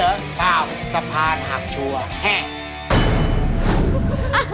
ไม่เอาสะพานหักชัวร์แค่